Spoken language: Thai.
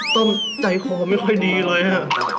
ต้องใจคอไม่ค่อยดีเลยฮะ